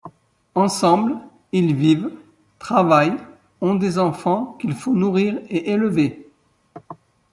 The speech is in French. Ensemble, ils vivent, travaillent, ont des enfants qu'il faut nourrir et élever.